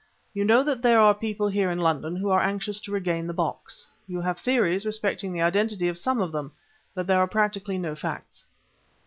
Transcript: You know that there are people here in London who are anxious to regain the box. You have theories respecting the identity of some of them, but there are practically no facts."